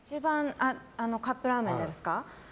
カップラーメンでですか？